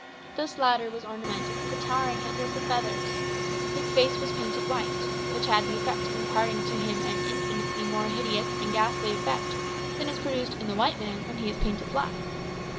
This latter was ornamented with a towering headdress of feathers. His face was painted white, which had the effect of imparting to him an infinitely more hideous and ghastly aspect than is produced in the white man when he is painted black.